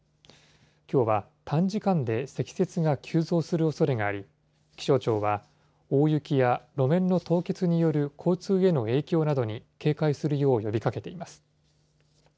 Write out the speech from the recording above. きょうは短時間で積雪が急増するおそれがあり、気象庁は大雪や路面の凍結による交通への影響などに警戒するよう呼びかけています。